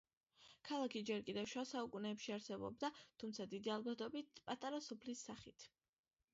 ქალაქი ჯერ კიდევ შუა საუკუნეებში არსებობდა, თუმცა დიდი ალბათობით, პატარა სოფლის სახით.